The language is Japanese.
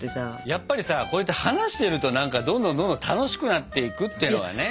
やっぱりさこうやって話してると何かどんどんどんどん楽しくなっていくっていうのがね。